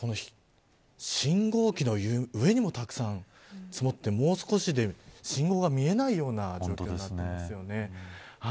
信号機の上にもたくさん積もってもう少しで信号が見えないような状況になっています。